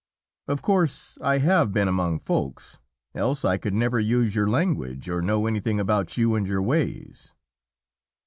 Of course I have been among "Folks," else I could never use your language or know anything about you and your ways.